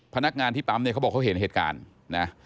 พนักงานที่ปั๊มเนี่ยเขาบอกเขาเห็นเหตุการณ์นะ